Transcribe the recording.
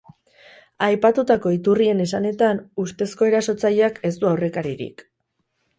Aipatutako iturrien esanetan, ustezko erasotzaileak ez du aurrekaririk.